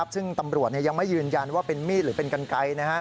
ซึ่งตำรวจยังไม่ยืนยันว่าเป็นมีดหรือเป็นกันไกล